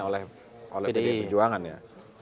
oleh pdi perjuangan ya